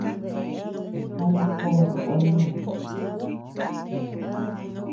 Abi kó kuenud.